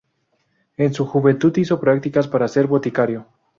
En su juventud hizo practicas para ser boticario.